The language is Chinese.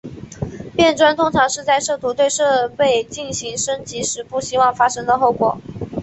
变砖通常是在试图对设备进行升级时不希望发生的后果。